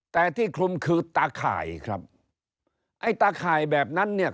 แต่ที่คลุมคือตาข่ายครับไอ้ตาข่ายแบบนั้นเนี่ย